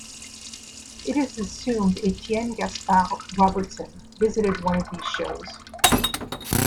It is assumed Etienne-Gaspard Robertson visited one of these shows.